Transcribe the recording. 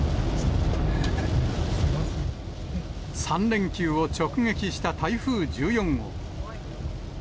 ３連休を直撃した台風１４号。